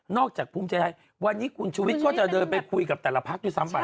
จากภูมิใจไทยวันนี้คุณชุวิตก็จะเดินไปคุยกับแต่ละพักด้วยซ้ำไป